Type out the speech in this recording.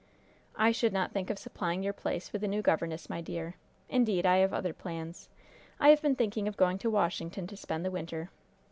"I should not think of supplying your place with a new governess, my dear. Indeed, I have other plans. I have been thinking of going to Washington to spend the winter.